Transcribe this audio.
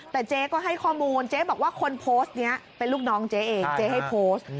แต่เจ๊ก็ให้ข้อมูลเจ๊บอกว่าคนโพสต์นี้เป็นลูกน้องเจ๊เองเจ๊ให้โพสต์